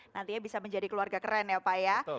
nantinya bisa menjadi keluarga keren ya pak ya